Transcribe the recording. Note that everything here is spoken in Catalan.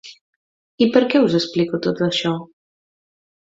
I per què us explico tot això?